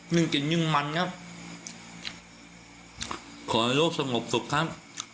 ึ่งกินยิ่งมันครับขอให้โลกสงบสุขครับ